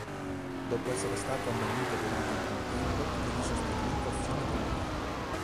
Dopo essere stato ammonito durante il primo tempo, viene sostituito a fine primo tempo.